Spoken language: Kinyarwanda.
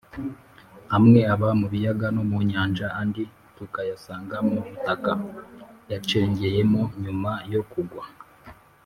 amwe aba mu biyaga no mu nyanja, andi tukayasanga mu butaka yacengeyemo nyuma yo kugwa